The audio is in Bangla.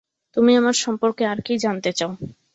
তুমি আমার সম্পর্কে আর কী জানতে চাও?